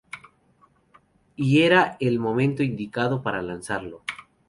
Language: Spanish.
Y era el momento indicado para lanzarlo.